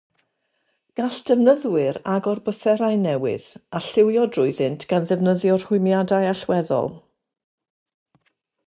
Gall defnyddwyr agor byfferau newydd a llywio drwyddynt gan ddefnyddio rhwymiadau allweddol.